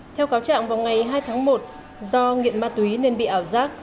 theo cáo trạng vào ngày hai tháng một do nghiện ma túy nên bị ảo giác